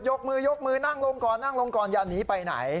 ยกมือยกมือน่งลงก่อนอย่านี่ไปไหน